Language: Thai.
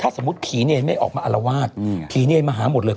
สมมุติผีเนรไม่ออกมาอารวาสผีเนรมาหาหมดเลย